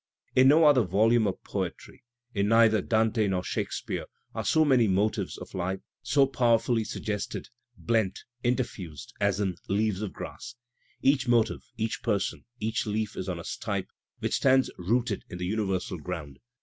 In no other volume of poetry, in neither Dante nor Shake speare, are so many motives of life so powerfully suggested, ' blent, interfused as in "Leaves of Grass." Each motive, each person, each leaf is on a stipe which stands rooted in the universal ground.